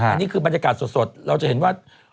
อันนี้คือบรรยากาศสดเราจะเห็นว่า